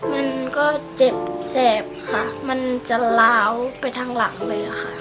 มันก็เจ็บแสบค่ะมันจะล้าวไปทางหลังเลยค่ะ